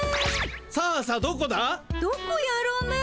どこやろね？